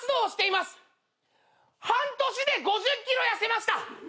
半年で５０ｋｇ痩せました。